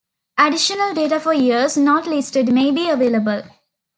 Additional data for years not listed may be available.